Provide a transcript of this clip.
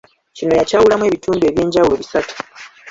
Kino yakyawulamu ebitundu eby'enjawulo bisatu.